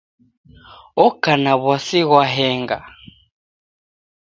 Oka na w'asi ghwa henga